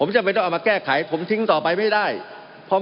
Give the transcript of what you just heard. มันมีมาต่อเนื่องมีเหตุการณ์ที่ไม่เคยเกิดขึ้น